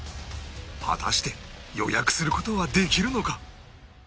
果たして予約する事はできるのか？